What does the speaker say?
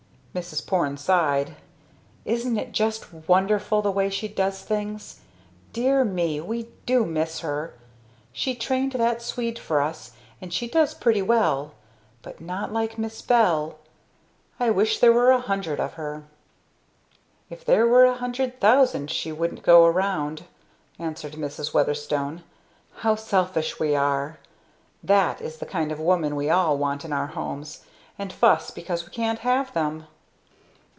Mrs. Porne sighed. "Isn't it just wonderful the way she does things! Dear me! We do miss her! She trained that Swede for us and she does pretty well but not like 'Miss Bell'! I wish there were a hundred of her!" "If there were a hundred thousand she wouldn't go round!" answered Mrs. Weatherstone. "How selfish we are! That is the kind of woman we all want in our homes and fuss because we can't have them."